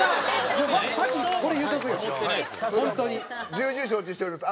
重々承知しております。